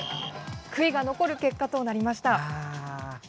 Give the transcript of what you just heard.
悔いが残る結果となりました。